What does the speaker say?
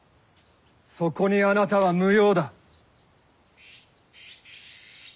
そこにあなたは無用だ。